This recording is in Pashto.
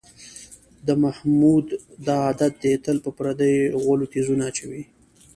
د محمود دا عادت دی، تل په پردیو غولو تیزونه اچوي.